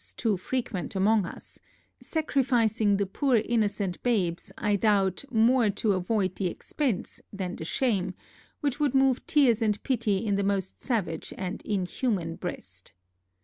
too frequent among us, sacrificing the poor innocent babes, I doubt, more to avoid the expence than the shame, which would move tears and pity in the most savage and inhuman breast.